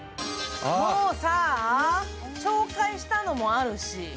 もうさぁ、紹介したのもあるし。